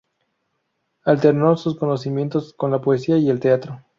Alternó sus conocimientos con la poesía y el teatro.